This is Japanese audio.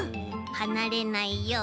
はなれないでね。